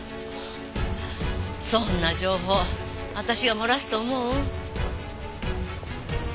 そんな情報私が漏らすと思う？